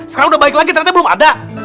sekarang udah balik lagi ternyata belum ada